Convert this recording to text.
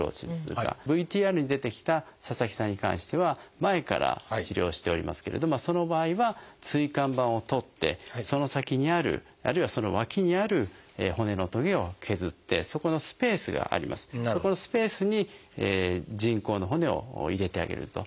ＶＴＲに出てきた佐々木さんに関しては前から治療しておりますけれどその場合は椎間板を取ってその先にあるあるいはその脇にある骨のトゲを削ってそこのスペースがありますのでそこのスペースに人工の骨を入れてあげると。